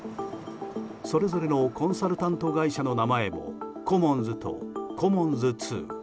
それぞれのコンサルタント会社の名前も、コモンズとコモンズ２。